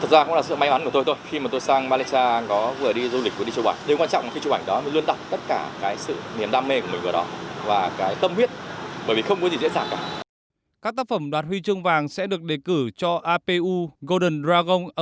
các tác phẩm đoạt huy chương vàng sẽ được đề cử cho apu golden dragon awards hai nghìn hai mươi một giải dòng vàng của hiệp hội nhếp ảnh châu á